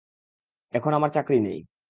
এখন আমার চাকরি নেই।